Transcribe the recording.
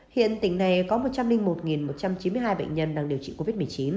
hiện tỉnh này có một trăm linh một một trăm chín mươi hai bệnh nhân đang điều trị covid một mươi chín